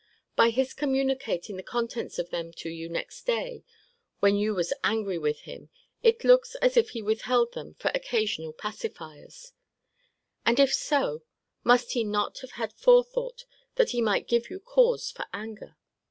By his communicating the contents of them to you next day, when you was angry with him, it looks as if he withheld them for occasional pacifiers; and if so, must he not have had a forethought that he might give you cause for anger?